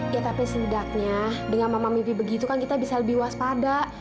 ya tapi setidaknya dengan mama mimpi begitu kan kita bisa lebih waspada